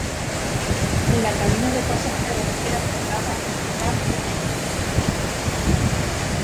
La cabina de pasajeros era cerrada y tenía amplias ventanas panorámicas.